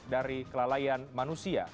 dari kelalaian manusia